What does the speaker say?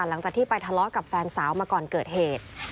หลังจากที่ไปทะเลาะกับแฟนสาวมาก่อนเกิดเหตุ